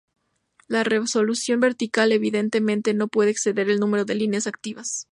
La resolución vertical, evidentemente, no puede exceder el número de líneas activas.